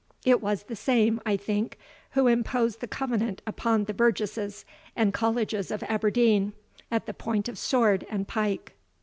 It was the same, I think, who imposed the Covenant upon the burgesses and colleges of Aberdeen, at the point of sword and pike."